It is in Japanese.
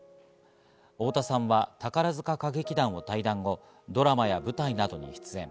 太田さんは宝塚歌劇団を退団後、ドラマや舞台などに出演。